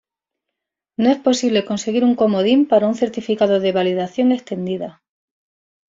No es posible conseguir un comodín para un certificado de validación extendida.